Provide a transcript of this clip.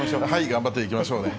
頑張っていきましょうね。